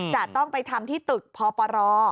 จะต้องไปทำที่ตึกพปร